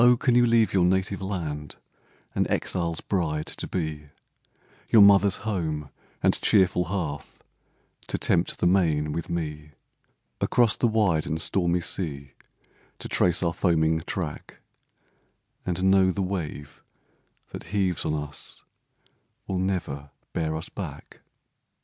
can you leave your native land An exile's bride to be; Your mother's home, and cheerful hearth, To tempt the main with me; Across the wide and stormy sea To trace our foaming track, And know the wave that heaves us on Will never bear us back?